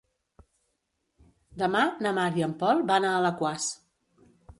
Demà na Mar i en Pol van a Alaquàs.